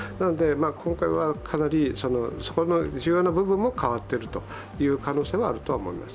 今回はかなりそこの重要な部分も変わっている可能性はあると思います。